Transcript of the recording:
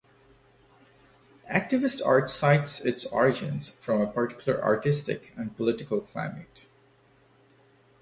Activist art cites its origins from a particular artistic and political climate.